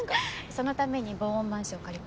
そのために防音マンション借りました。